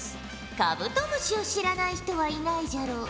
カブトムシを知らない人はいないじゃろう。